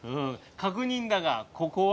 確認だがここは。